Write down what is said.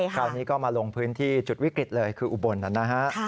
คราวนี้ก็มาลงพื้นที่จุดวิกฤตเลยคืออุบลนะฮะ